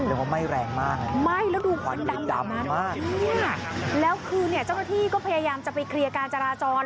ว่าไหม้แรงมากไหม้แล้วดูควันดำมากเนี่ยแล้วคือเนี่ยเจ้าหน้าที่ก็พยายามจะไปเคลียร์การจราจร